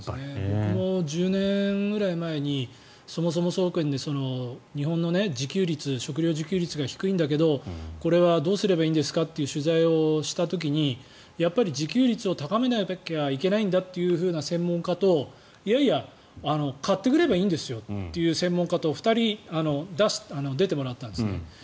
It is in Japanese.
僕も１０年ぐらい前にそもそも総研で日本の自給率食料自給率、低いんだけどこれはどうすればいいんですかって取材をした時に自給率を高めなければいけないんだっていう専門家といやいや、買ってくればいいんですよという専門家と２人、出てもらったんですね。